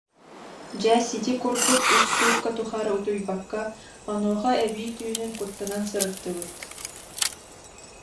Дьэ сити курдук үс суукка тухары утуйбакка, онуоха эбии түүнүн куттанан сырыттыбыт